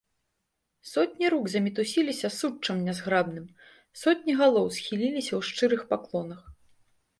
Сотні рук замітусіліся суччам нязграбным, сотні галоў схіліліся ў шчырых паклонах.